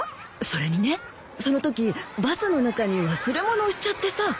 それにねそのときバスの中に忘れ物をしちゃってさ。